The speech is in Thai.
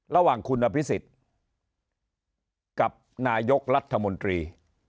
ระหว่างคุณอภิษฎกับนายกรัฐมนตรี